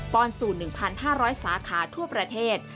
อนสู่๑๕๐๐สาขาทั่วประเทศ